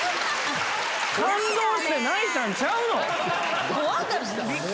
感動して泣いたんちゃうの？